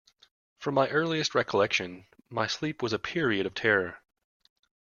From my earliest recollection my sleep was a period of terror.